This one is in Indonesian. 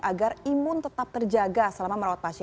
agar imun tetap terjaga selama masyarakat